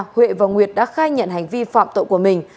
huệ và nguyệt đã khai nhận hành vi phạm tội của mình